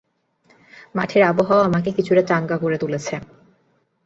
মঠের আবহাওয়া আমাকে কিছুটা চাঙ্গা করে তুলেছে।